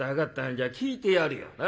じゃあ聞いてやるよな？